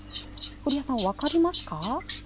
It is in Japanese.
古谷さん、分かりますか？